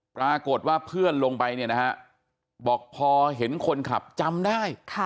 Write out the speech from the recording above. ปรากฏว่าเพื่อนลงไปเนี่ยนะฮะบอกพอเห็นคนขับจำได้